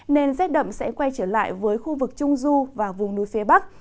nên rét đậm sẽ quay trở lại với khu vực trung du và vùng núi phía bắc